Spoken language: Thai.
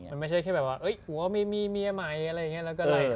มันไม่ใช่แค่แบบว่ามีเมียไหมอะไรอย่างนี้แล้วก็รายค่า